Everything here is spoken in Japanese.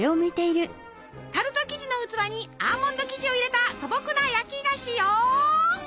タルト生地の器にアーモンド生地を入れた素朴な焼き菓子よ！